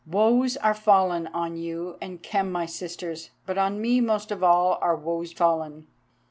"Woes are fallen on you and Khem, my sisters, but on me most of all are woes fallen.